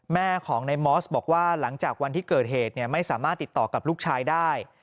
แม่ของในมอสบอกว่าหลังจากวันที่เกิดเหตุไม่สามารถติดต่อกับลูกชายได้